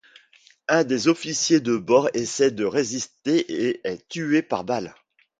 Un des officiers de bord essaie de résister et est tué par balle.